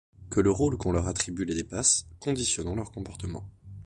Que le rôle qu'on leur attribue les dépasse, conditionnant leur comportement.